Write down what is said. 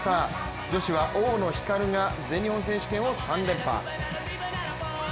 女子は大野ひかるが全日本選手権を３連覇。